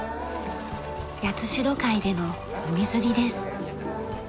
八代海での海釣りです。